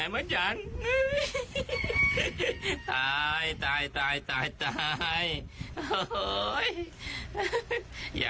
คุณผู้ชมเอ็นดูท่านอ่ะ